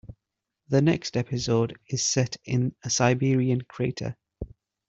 The next episode is set in a Siberian crater.